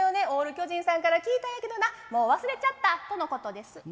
オール巨人さんから聞いたんやけどなもう忘れちゃった」とのことです。